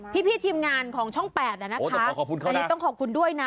พี่ทีมงานของช่อง๘นี่ต้องขอบคุณด้วยนะ